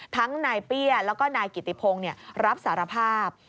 ทั้งนายเปี้ยแล้วก็นายกิติพงศ์รับสารภาพ